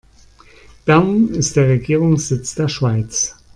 Bern ist der Regierungssitz der Schweiz.